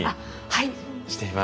はい。